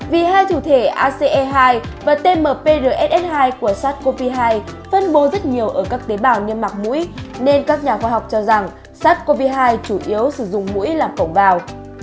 vì hai chủ thể aci hai và tmprs hai của sars cov hai phân bố rất nhiều ở các tế bào nhân mạc mũi nên các nhà khoa học cho rằng sars cov hai chủ yếu sử dụng mũi làm cổng vào